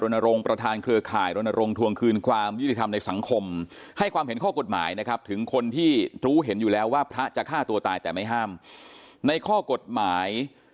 ประธานเครือข่ายรณรงควงคืนความยุติธรรมในสังคมให้ความเห็นข้อกฎหมายนะครับถึงคนที่รู้เห็นอยู่แล้วว่าพระจะฆ่าตัวตายแต่ไม่ห้ามในข้อกฎหมาย